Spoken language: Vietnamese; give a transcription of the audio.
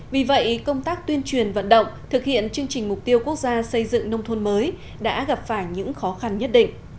vì vậy công tác tuyên truyền vận động thực hiện chương trình mục tiêu quốc gia xây dựng nông thôn mới đã gặp phải những khó khăn nhất định